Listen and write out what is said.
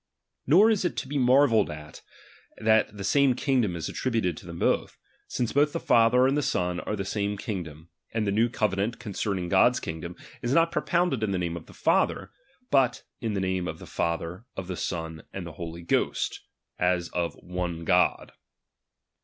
Nor is it to be marveled at, that the sarae _ kingdom is attributed to them both ; since both H the Father and the Son are the same God ; and ■ the new covenant concerning God's kingdom, is not propounded in the name of the Father ; but in the name of the Father, of the Son, and of the Holy Ghost, as of one God.